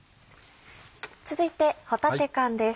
続いて帆立缶です。